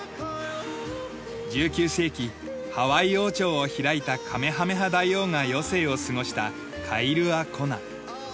１９世紀ハワイ王朝を開いたカメハメハ大王が余生を過ごしたカイルア・コナ。